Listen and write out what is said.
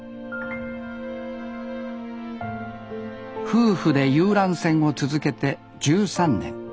夫婦で遊覧船を続けて１３年。